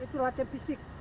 itu latihan fisik